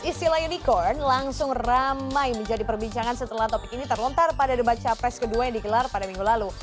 istilah unicorn langsung ramai menjadi perbincangan setelah topik ini terlontar pada debat capres kedua yang digelar pada minggu lalu